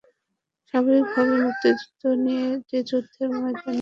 স্বাভাবিকভাবেই মুক্তিযুদ্ধ নিয়ে একটি যুদ্ধের ময়দানের আবহে তৈরি গেমে কিছুটা সহিংসতা থাকবে।